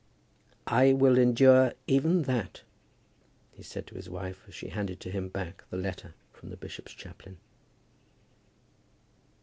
"I will endure even that," he said to his wife, as she handed to him back the letter from the bishop's chaplain.